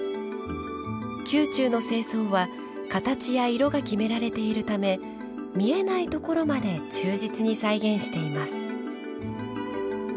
宮中の正装は形や色が決められているため見えないところまで忠実に再現しています。